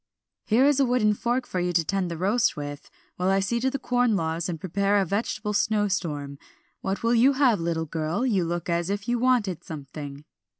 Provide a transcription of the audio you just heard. "Here is a wooden fork for you to tend the roast with, while I see to the corn laws and prepare a vegetable snowstorm. What will you have, little girl, you look as if you wanted something?"